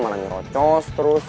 malah ngerocos terus